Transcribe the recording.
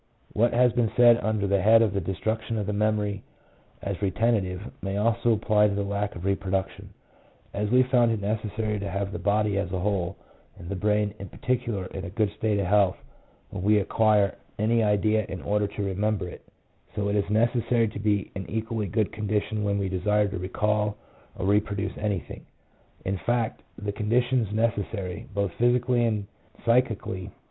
What has been said under the head of the destruction of the memory as retentive, may also apply to the lack of reproduction. As we found it necessary to have the body as a whole, and the brain in par ticular, in a good state of health when we acquire any idea in order to remember it, so it is necessary to be in equally good condition when we desire to recall or reproduce anything ; in fact, the conditions neces sary, both physically and psychically, are very J J.